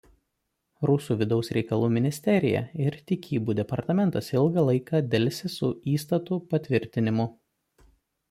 Rusų vidaus reikalų ministerija ir tikybų departamentas ilgą laiką delsė su įstatų patvirtinimu.